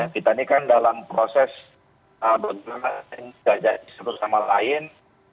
kita ini kan dalam proses bergerak yang tidak jadi seru sama lain